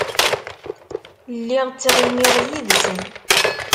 Lliɣ ttɣimiɣ yid-sen.